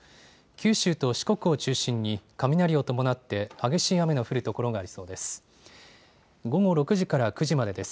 九州と四国を中心に雷を伴って激しい雨の降る所がありそうです。